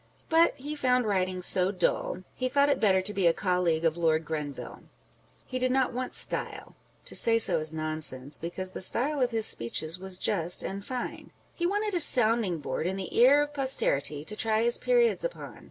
But he found writing so dull, he thought it better to be a colleague of Lord Grenville ! He did not want style (to say so is nonsense, because the style of his speeches was just and fine) â€" he wanted a sounding board in the ear of posterity to try his periods upon.